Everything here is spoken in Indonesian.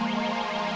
siapa tuh revan